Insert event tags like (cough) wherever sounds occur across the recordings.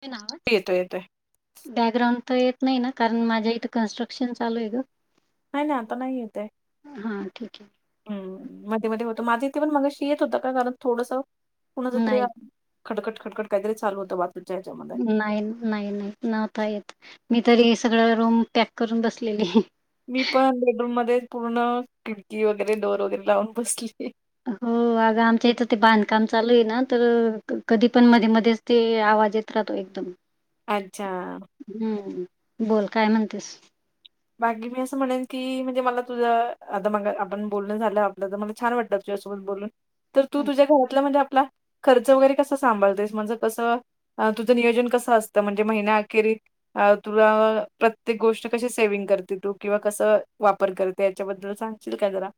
ते नावात? येतोय येतोय. बॅकग्राउंड तर येत नाही ना? कारण माझ्या इथं कन्स्ट्रक्शन चालू आहे ग. नाही नाही, आता नाही येत आहे. हां ठीक हम्म मध्ये मध्ये होत माझे. इथे पण मगाशी येत होत का कारण थोडस कुणाच आहे तरी. नाही खडखट खडकट काहीतरी चालू होत बघ. नाही नाही नाही. नव्हता येत मी तरी सगळं रूम पॅक करून बसलेली. मी पण बेडरूम मध्ये पूर्ण खिडकी वगैरे डोअर वगैरे लावून बसली. हो अग आमच्या इथं ते बांधकाम चालू आहे ना तर कधी पण मध्ये मध्येच. ते आवाज येत राहतो एकदम. अच्छा. हम्म बोल काय म्हणतेस? बाकी मी असं म्हणेन की म्हणजे मला तुझं आता मगा आपण बोलणं झालं आपलं तर मला छान वाटलं तुझ्यासोबत बोलून, तर तू तुझ्या घरातला म्हणजे आपला खर्च वगैरे कसं सांभाळतेस, म्हणजे कसं तुझं नियोजन कसं असतं म्हणजे महिन्याअखेरी अ तुला प्रत्येक गोष्ट कशी स सेविंग करते तू किंवा कसं वापर करते, याच्याबद्दल सांगशील का जरा?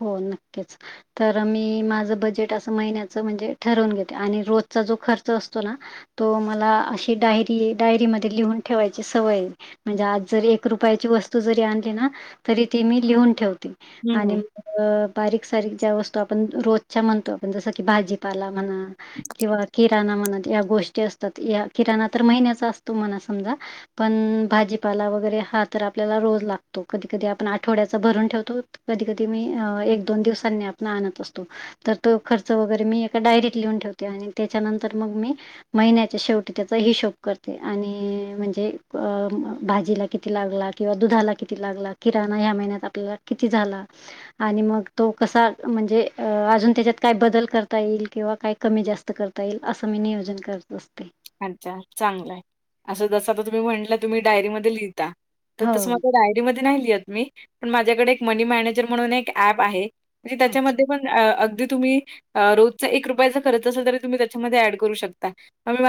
हो नक्कीच. तर मी माझं बजेट असं महिन्याच म्हणजे ठरवून घेते, आणि रोजचा जो खर्च असतो ना तो मला अशी डायरी ये डायरीमध्ये लिहून ठेवायची सवय ये. म्हणजे आज जरी एक रुपयाची वस्तू जरी आणली ना तरी ती मी लिहून ठेवते, हं. आणि अ बारीक, सारीक ज्या वस्तू आपण रोजच्या म्हणतो आपण जसं की भाजीपाला म्हणा किंवा किराणा म्हणा त या गोष्टी असतात, या किराणा तर महिन्याचा असतो म्हणा समजा. पण भाजीपाला वगैरे हा तर आपल्याला रोज लागतो, कधी -कधी आपण आठवड्याचा भरून ठेवतो. कधी -कधी मी अ एक, दोन दिवसांनी आपण आणत असतो. तर तो खर्च वगैरे मी एका डायरीत लिहून ठेवते आणि त्याच्यानंतर मगं मी महिन्याच्या शेवटी त्याचा हिशोब करते, आणि म्हणजे अं भाजीला किती लागला? किंवा दुधाला किती लागला, किराणा ह्या महिन्यात आपल्याला किती झाला आणि मग तो कसा म्हणजे अ अजून त्याच्यात काय बदल करता येईल किंवा काही कमी जास्त स्त करता येईल असं मी नियोजन करत असते. अच्छा चांगला आहे, असं जसं आता तुम्ही म्हंटलं तुम्ही डायरी मध्ये लिहिता तर तसं हो. माझ डायरीमध्ये नाही लिहत मी, पण माझ्याकडे एक मनी मॅनेजर म्हणून एक ऍप आहे. म्हणजे अच्छा. त्याच्यामध्ये पण अं अगदी तुम्ही रोजचं एक रुपयाचा करत असाल तरी, तुम्ही त्यामध्ये ऍड करू शकता.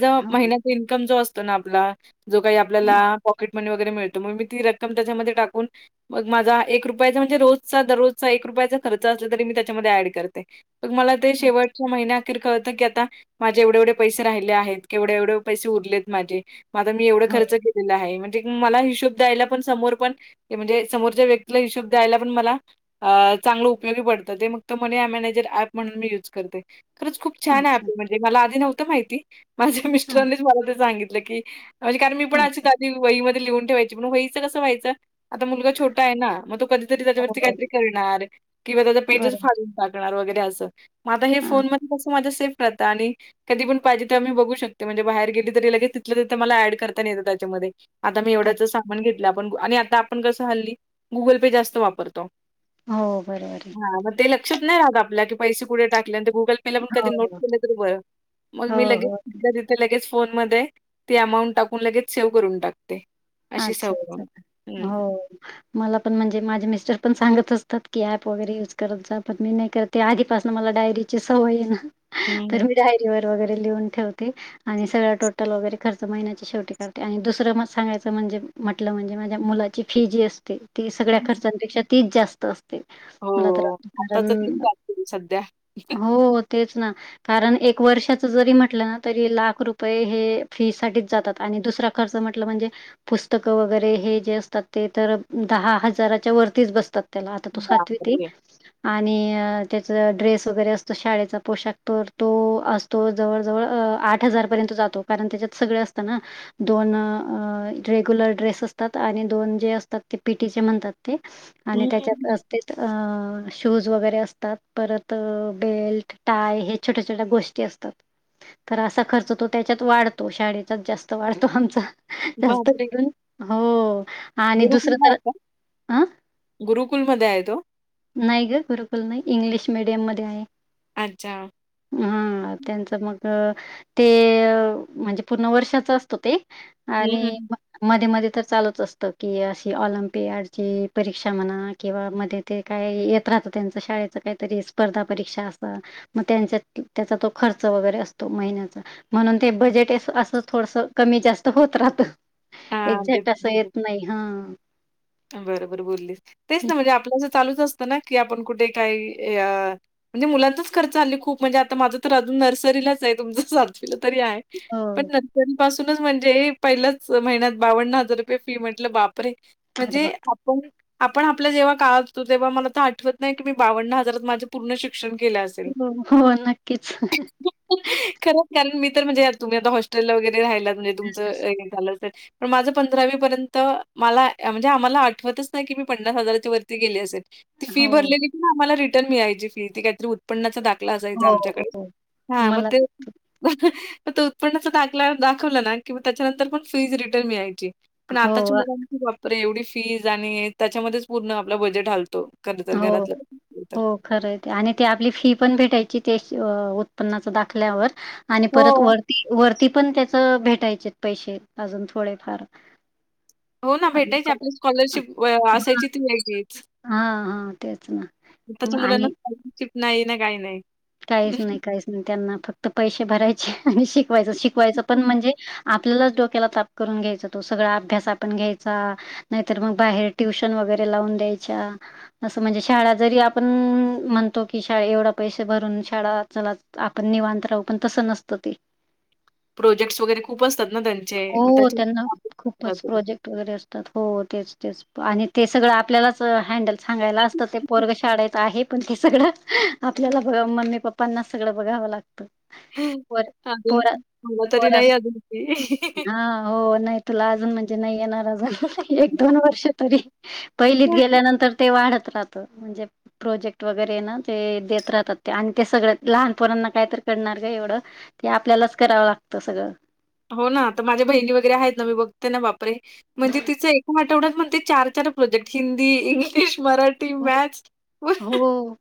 जो हो. महिन्याचा इन्कम असतो ना आपला, जो काही हं. आपल्याला पॉकिट मनी वगैरे मिळतो, मग मी ती रक्कम त्याच्यामध्ये टाकून मग माझा एक रुपयाचा म्हणजे रोजचा दररोजचा एक रुपयाचा खर्च असला, तरी मी त्याच्यामध्ये ऍड करते. मग मला ते शेवटच्या महिन्या अखेर कळतं की आता, माझे एवढे -एवढे पैसे राहिले आहेत. कि एवढे- एवढे पैसे उरलेत माझे, म आता मी एवढं हो. खर्च केलेला आहे म्हणजे मला हिशोब द्यायला पण समोर पण ते म्हणजे, समोरच्या व्यक्तीला हिशोब द्यायला पण मला अं चांगलं उपयोगी पडतं ते, मग त मनी मॅनेजर ऍप म्हणून मी युज करते. खरंच खूप छान आहे एप अच्छा. म्हणजे मला आधी नव्हतं माहिती, माझ्या हां. मिस्टरनीचं मला ते सांगितलं की म्हणजे कारण मी पण ओके. अशीच आधी वही मध्ये लिहून ठेवायचे. म वही च व्हायचं कसं व्हायचं, आता मुलगा छोटा आहे ना म ती कधी हो, त्याच्यावरती हो. काहीतरी करणार, किंवा त्याचा पेजेस् बरोबर. फाडून टाकणार वगैरे असं. म आता हे हां. फोन मध्ये कसं माझा सेफ राहतं, आणि कधी पण पाहिजे तेव्हा मी बघू शकते म्हणजे बाहेर गेली तरी लगेच तिथंल्या तिेथं मला ऍड करता येत त्याच्यामध्ये आता मी एवढ्याच अच्छा. सा म्हणून घेतलं, आपण आणि आता आपण कसं हल्ली गुगल पे जास्त वापरतो. हो बरबर आहे. हा मग ते लक्षात नाही राहत आपल्या की पैसे कुड टाकले, आणि तर गुगल पेला पण हो, कधी नोट केले तरी बरं मग मी हो, लगेच हो. तिथल्या तिथे लगेच फोन मध्ये ती अमाऊंट टाकून लगेच सेव्ह करून टाकते. अशी अच्छा- सवय आहे अच्छा मला. हं. हो. मला पण म्हणजे माझे मिस्टर पण सांगत असतात, की ऍप वगैरे युज करत जा पण मी नाही करत. ते आधीपासनं मला डायरीची सवय ये ना, तर हं, मी डायरीवर वगैरे लिहून ठेवते. आणि सगळं टोटल वगैरे खर्च महि्याची शेवटी काढते आणि दुसरं म सांगायचं म्हणजे म्हटलं म्हणजे माझ्या मुलाची फी जी असते, ती सगळ्या हं. खर्चांपेक्षा तीच जास्त असते. ते, मला तर हो. अगदी आता तर तेच कारण चालू आहे सध्या. हो तेच ना. कारण एक वर्षाच जरी म्हटलं ना, तरी लाख रुपये हे फी साठीच जातात आणि दुसरा खर्च म्हटलं म्हणजे पुस्तकं वगैरे हे जे असतात ते तर, दहा हजाराच्या वरतीच बसतात. त्याला आता तो सातवी ते बापरे! आणि त्याच ड्रेस वगैरे असतो शाळेचा पोशाख तर तो अस तो जवळजवळ आठ हजारपर्यंत जातो, कारण त्याच्यात सगळ असतं ना. दोन रेग्युलर ड्रेस असतात आणि दोन जे असतात ते पि टी चे म्हणतात ते आणि हं, हं, हं. त्याच्यात ते शूज वगैरे असतात. परत बेल्ट टाय हे छोट्या छोट्या गोष्टी असतात. तर असा खर्च तो त्याच्यात वाढतो. शाळेचाच जास्त वाढतो आमचा. (unintelligible) जास्त हो आणि दुसरं गुरुकुलला तर आहे का? अ, गुरुकुलमध्ये आहे तो? नाही ग गुरुकुल नाही. इंग्लिश मीडियम मध्ये आहे. अच्छा. हा त्यांचं मग ते म्हणजे पूर्ण वर्षाचा असत ते हं, आणि- हं. मध्ये मध्ये तर चालूच असत की, अशी ऑलिमपिडची परीक्षा म्हणा किंवा मध्ये ते काय येत राहतं, त्यांच शाळेच काहीतरी स्पर्धा परीक्षा असं मग त्यांच्या त्याचा तो खर्च वगैरे असतो महिन्याचा म्हणून ते बजेट असं थोडस कमी जास्त होत राहत. हां, ते एक्झॅक्ट असं पण आहे. येत नाही हा बरोबर बोललीस. तेच ना म्हणजे आपल्या असं चालूच असतं ना की, आपण कुठे काही अ म्हणजे मुलांचाच खर्च हल्ली खूप म्हणजे, आता माझं तर अजून नर्सरीलाच आहे. तुमचं सातवीला तरी आहे. हो. पण री पासूनच म्हणजे पहिल्याच महिन्यात बावन्न हजार रुपये फी म्हटलं, बापरे. अरे म्हणजे वाह! आपण आपण आपला जेव्हा काळ, (unintelligible) तेव्हा मला तर आठवत नाही की, मी बावन्न हजारात माझं पूर्ण शिक्षण केलं असेल. हो हो, नक्कीच. खरंच, कारण मी तर म्हणजे या तुम्ही आता हॉस्टेलला वगैरे राहायलात म्हणजे तुमच एम ए झाल, पण माझ पंधरावी पर्यंत मला म्हणजे आम्हाला आठतच नाही की, मी पन्नास हजाराच्या वरती गेली असेल. ती फी हो, भरलेली आम्हाला रिटर्न मिळायची फी, ती काहीतरी उ त्पन्नाचा दाखला असायचा हो, हो. आमच्याकडे. हा मग मला ते तो उत्पन्नाचा दाखला दाखवलं ना की, त्याच्यानंतर पण फीज रिटर्न मिळायची. पण हो, आताच्या मुलांची बापरे एवढी फीज आणि त्याच्यामध्येच पूर्ण आपला बजेट हालतो. खरं तर हो. घरातलं तर. हो, खरंय ते. आणि ते आपली फी पण भेटायची ते अं उत्पन्नाच दाखल्यावर आणि हो. परत वरती वरती पण त्याच भेटायचे पैसे अजून थोडेफार. हो ना, हां, भेटायचे. आपली स्कॉलरशिप असायची ती यायची. हां, हां, तेच ना, मग आणि (unintelligible) नाही ना, काही नाही. काहीच नाही, काहीच नाही. त्यांना फक्त पैसे भरायचे आणि शिकवायचं. शिकवायचं पण म्हणजे आपल्यालाच डोक्याला ताप करून घ्यायचा. तो सगळा अभ्यास आपण घ्यायचा. नाहीतर मग बाहेर ट्युशन वगैरे लावून द्यायच्या. असं म्हणजे, शाळा जरी आपण म्हणतो की शाळा एवढा पैश शे भरून शाळा चलात आपण निवांत राहू. पण तसं नसतं ते. प्रोजेक्ट्स वगैरे खूप असतात ना त्यांचे. म हो. त्याचे त्यांना मागे खूपच (inaudible) प्रोजेक्ट वगैरे असतात. हो तेच तेच. आणि ते सगळं आपल्यालाच हँडल सांगायला असतं. ते पोरग शाळेत आहे पण ते सगळं आपल्याला बघ मम्मी पप्पाना सगळं बघावं लागते. प पोर अजून पोरा मला तरी नाही पोरस, अजून ते. हा हो. नाही. तुला अजून म्हणजे नाही येणारा अजून. एक दोन वर्ष तरी. पहिलीत गेल्यानंतर ते वाढत राहत. म्हणजे प्रोजेक्ट वगैरे ना ते देत राहतात आणि ते सगळ्या लहान पोरांना काय तर करणार गं एवढं? ते आपल्यालाच करावं लागतं सगळं. हो ना, आता माझ्या बहिणी वगैरे आहेत ना मी बघते ना. बापरे! म्हणजे तिचं एकेक आठवड्यात म्हणते चार चार प्रोजेक्ट. हिंदी, इंग्लिश, मराठी, हो मॅथ्स. हो.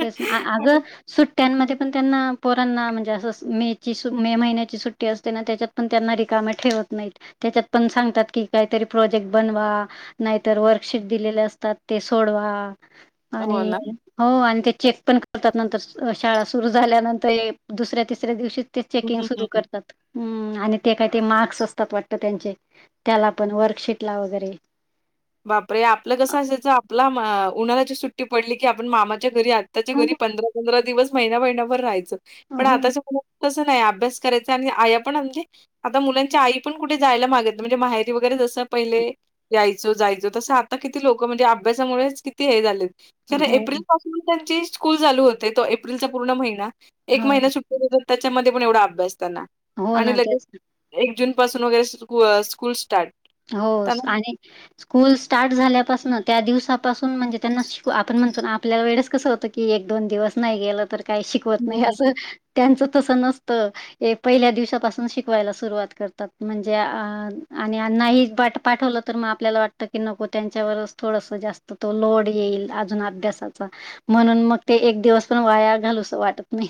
तेच ना अगं सुट्ट्यांमध्ये पण त्यांना पोरांना म्हणजे असं मे ची मे महिन्याची सुट्टी असते ना त्याच्यात पण त्यांना रिकाम ठेवत नाहीत. त्याच्यात पण सांगतात की काहीतरी प्रोजेक्ट बनवा. नाहीतर वर्कशीट दिलेले असतात, ते सोडवा. हो आणि ना. हो आणि ते चेक पण करतात नंतर. शाळा सुरू झाल्यानंतर दुसऱ्या तिसऱ्या दिवशी. ते हं, चेकिंग हं, सुरू हं. करतात. हं आणि ते काय ते मार्क्स असतात वाटत त्यांचे. त्याला पण वर्कशीटला वगैरे. बापरे! आपलं कसं असायचं आपला मा उन्हाळ्याची सुट्टी पडली की आपण मामाच्या घरी त्याच्या हो घरी पंधरा पंधरा दिवस महिना महिनाभर राहायचं. हो पण आताच्या मु तसं नाही अभ्यास करायचा. आणि आया पण अगदी आता मुलांच्या आई पण कुठे जायला मागत नाही. म्हणजे माहेरी वगैरे जसं पहिले यायच जायचं. तसं आता किती लोक म्हणजे अभ्यामुळेच किती हे झाले. त्यांना हो एप्रिल पासून त्यांची स्कूल चालू होते तो एप्रिलचा पूर्ण महिना. एक हो महिना सुट्टी देत तर त्याच्यामध्ये पण एवढा अभ्यास त्यांना हो ना आणि लगेच तेच एक जून पासून वगैरे स्कु स्कूल स्टार्ट. हो त्यांना आणि स्कूल स्टार्ट झाल्यापासन त्या दिवसापासून म्हणजे त्यांना शिक, आपण म्हणतो आपल्याला वेळेस कसं होतं कि एक दोन दिवस नाही गेलं तर काही शिकवत हं, नाही हं. असं. त्यांच तस नसत. ए पहिल्या दिवसापासन शिकवायला सुरुवात करतात. म्हणजे आ आणि त्यांनाही पाठ पाठवलं तर मग आपल्याला वाटतं की नको त्यांच्यावरच थोडंस जास्त तो लोड येईल. अजून अभ्यासाचा. म्हणून मग ते एक दिवस पण वाया घालूसं वाटत नाही.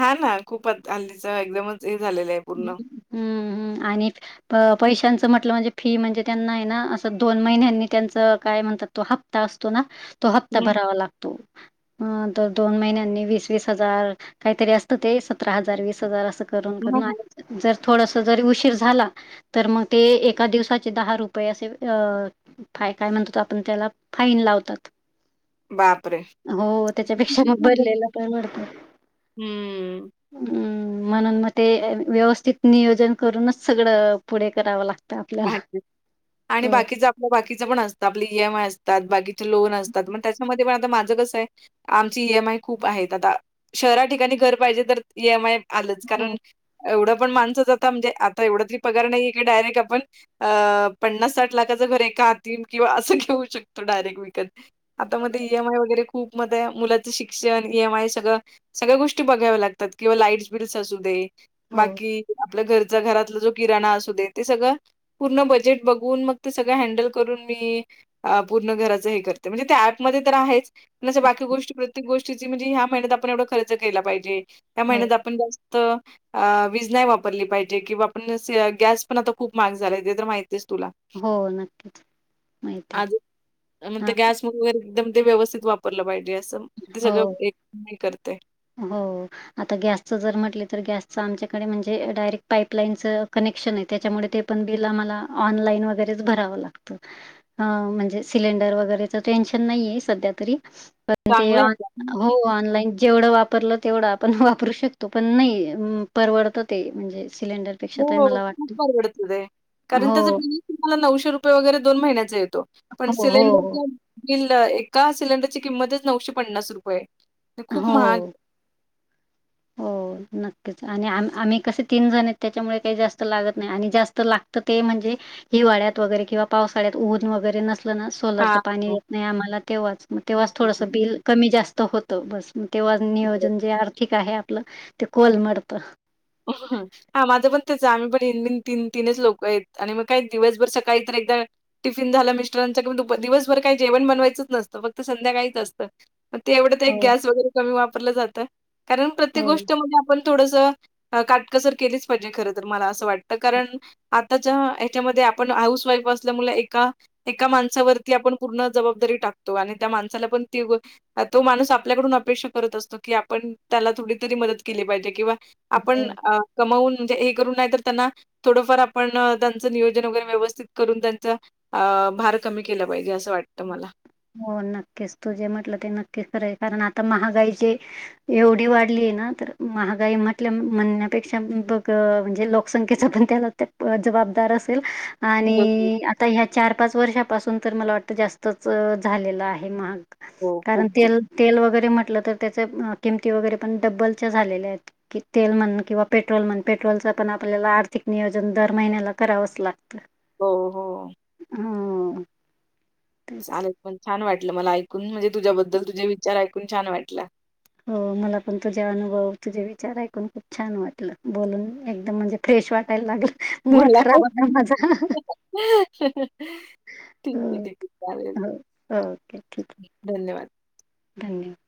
हा ना खूपच हल्लीच एकदमच हे झालेलं आहे. (inaudible) पूर्ण. हं हं आणि प पैशांचं म्हटलं म्हणजे फी म्हणजे त्यांना आहे ना, असं दोन महिन्यांनी त्यांच काय म्हणतात तो हप ता असतो ना. तो हप्ता हं. भरावा लागतो. ह तर दोन महिन्यांनी वीस वीस हजार काहीतरी असतं ते सतरा हजार, वीस हजार असं करून हां, करून हां. आणि जर थोडस जरी उशीर झाला, तर मग ते एका दिवसाचे दहा रुपये असे अ फाय काय म्हणतो आपण त्याला फाईन लावतात. बापरे! हो त्याच्यापेक्षा मग भरलेल परवडत हं. हम्म म्हणून मग ते व्यवस्थित नियोजन करूनच सगळं पुढे करावं लागत. आणि बाकीचं आपलं बाकीचं पण असतं आपलं ई एम आय असत. बाकीचे लोन असतात, मगं त्याच्यामध्ये पण आता माझं कसं आहे आमचे ई एम आय खूप आहेत, आता शहरा ठिकाणी घर पाहिजे तर ई एम आय आलंच हो कारण एवढं पण माणसंच आता म्हणजे आता एवढा तरी पगार नाही आहे का डायरेक्ट आपण अं पन्नास साठ लाखाचं घर एका हाती किंवा असं घेऊ शकतो डायरेक्ट विकत आता मध्ये ई एम आय वगैरे खूप (inaudible) मुलाचं शिक्षण ई एम आय सगळं सगळ्या गोष्टी बघाव्या लागतात किंवा लाईटस बिल्स असू दे हो बाकी आपल्या घरचा घरातलं जो किराणा असू दे ते सगळं पूर्ण बजेट बघून मग ते सगळं हँडल करून मी पूर्ण घराचं हे करते, म्हणजे त्या ऍपमध्ये तर आहेच पण बाकी गोष्टी प्रत्येक गोष्टीची म्हणजे ह्या महिन्यातआपण एवढा खर्च केला पाहिजे ह्या हो महिन्यात आपण जास्त वीज नाही वापरली पाहिजे किंवा आपण गॅस पण आता खूप महाग झाला ते तर माहिती आहे तुला, हो नक्कीच (inaudible) माहिती हां, एकदम ते व्यवस्थित वापरलं पाहिजे असं ते हो, सगळं एक (inaudible) करते. हो आता गॅसचं जर म्हटलं तर गॅसच आमच्याकडे म्हणजे डायरेक्ट पाईपलाईनचं कनेक्शन आहे त्याच्यामुळे ते पण बिल आम्हाला ऑनलाईन वगैरेच भरावं लागत. ह म्हणजे सिलेंडर वगैरेच टेन्शन नाही आहे सध्या तरी ते चांगलं ऑ आहे हो का? ऑनलाइन जेवढं वापरलं वापरलं तेवढं आपण वापरू शकतो पण नाही परवडत ते म्हणजे सिलेंडर हो खूप परवडत ते, कारण त्याचं हो, बिल तुम्हाला नऊशे रुपये वगैरे दोन महिन्याचा येतो पण हो, हो, सिलेंडरच्या बिल एका सिलेंडर ची किंमतच नऊशे पन्नास रुपये आहे खूप महाग हो. हो (unintelligible) नक्कीच आणि आम आम्ही कसे तीन जण आहेत त्याच्यामुळे, काही जास्त लागत नाही आणि जास्त लागतं ते म्हणजे हिवाळ्यात वगैरे किंवा पावसाळ्यात ऊन वगैरे नसल ना सोलरचं हां. पाणी हो. येत नाही आम्हाला तेव्हाच मग हं, तेव्हाच हं, थोडंसं हं. बिल कमी जास्त होत. बस मग तेव्हा नियोजन जे आर्थिक आहे आपलं ते कोलमडत हो हा माझं पण तेच आम्ही पण इनमिन तीन तीनच लोक आहेत आणि मग काय दिवसभर सकाळी तर एकदा टिफिन झाला मिस्टरांचा की दुपार, दिवसभर काही जेवण बनवायचंच नसतं फक्त संध्याकाळीच असतं. मग ते एवढं ते एक हो, गॅस वगैरे कमी वापरलं जातं, कारण प्रत्येक हो, गोष्टमध्ये आपण थोडसं काटकसर केलीच पाहिजे खरंतर, मला असं वाटतं कारण आताच्या ह्याच्यामध्ये आपण हाऊस वाईफ असल्यामुले एका एका माणसावरती आपण पूर्ण जबाबदारी टाकतो, आणि त्या माणसाला पण ती गो तो माणूस आपल्याकडून अपेक्षा करत असतो की आपण त्याला थोडी तरी मदत केली पाहिजे किंवा आपण हो. अ कमावून म्हणजे, हे करून नाही तर त्यांना थोडंफार आपण त्यांचं नियोजन वगैरे व्यवस्थित करून त्यांच्या भार कमी केला पाहिजे असं वाटतं मला हो नक्कीच तू जे म्हटलं ते नक्कीच खरं ए कारण आता महागाईचे एवढी वाढलीय ना तर महागाई म्हटल्या म्हणण्यापेक्षा बघ म्हणजे लोक संख्येचा पण त्या बाबतीत जबाबदार असेल हो, हो. आणि आता ह्या चार पाच वर्षापासून, तर मला वाटतं जास्तच अ झालेलं आहे महाग हो. कारण खूप, खूप. तेल, तेल वगैरे म्हटलं तर त्याच्या किंमती वगैरे पण डब्बलच्या झालेल्या हेत कि तेल म्हण किंवा पेट्रोल म्हण पेट्रोलच पण आपल्याला आर्थिक नियोजन दर महिन्याला करावंच लागत. हो हो. हूं. चालेल पण छान वाटलं मला ऐकून म्हणजे तुझ्याबद्दल तुझे विचार ऐकून छान वाटलं. हो मला पण तुझे अनुभव तुझे विचार ऐकून खूप छान वाटलं बोलून एकदम म्हणजे फ्रेश वाटायला लागलं. मूड मला खराब पण होता माझा ठीक हो ए, ठीक ए, चालेल हो ओके ठीक आहे धन्यवाद. धन्यवाद.